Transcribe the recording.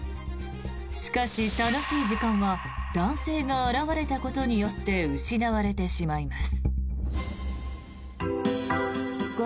しかし、楽しい時間は男性が現れたことによって失われてしまいます。